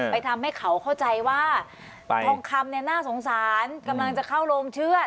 ทำให้เขาเข้าใจว่าทองคำเนี่ยน่าสงสารกำลังจะเข้าโรงเชือด